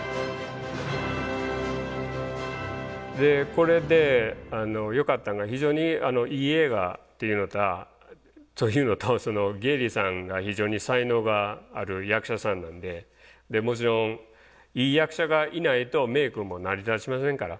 これでよかったんが非常にいい映画っていうのとそういうのとゲイリーさんが非常に才能がある役者さんなんでもちろんいい役者がいないとメイクも成り立ちませんから。